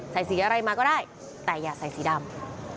ใส่สีอะไรมาก็ได้แต่อย่าใส่สีดำ